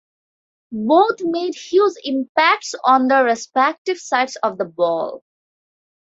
Both made huge impacts on their respective sides of the ball.